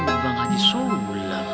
kan bang haji sula